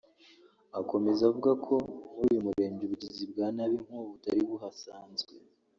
Akomeza avuga ko muri uyu murenge ubugizi bwa nabi nk’ubu butari buhasanzwe